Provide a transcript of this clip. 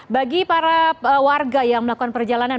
bagi para warga yang melakukan perjalanan